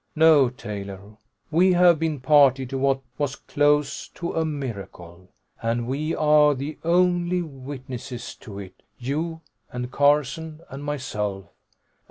"No, Taylor, we have been party to what was close to a miracle. And we are the only witnesses to it, you and Carson and myself.